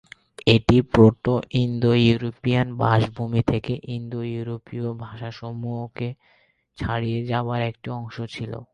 এটি প্রোটো-ইন্দো-ইউরোপীয় বাসভূমি থেকে ইন্দো-ইউরোপীয় ভাষাসমূহের ছড়িয়ে যাবার একটি অংশ ছিল।